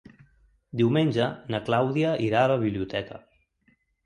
Diumenge na Clàudia irà a la biblioteca.